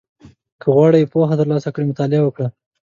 • که غواړې پوهه ترلاسه کړې، مطالعه وکړه.